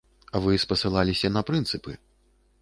Вы спаслаліся на прынцыпы.